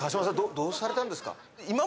どうされたんですか？